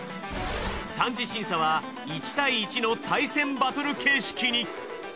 三次審査は１対１の対戦バトル形式に。